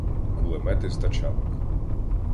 кулемети з тачанок.